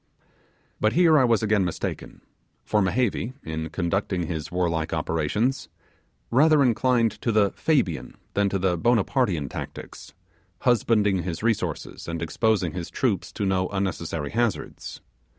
But here I was again mistaken; for Mehevi, in conducting his warlike operations, rather inclined to the Fabian than to the Bonapartean tactics, husbanding his resources and exposing his troops to no unnecessary hazards.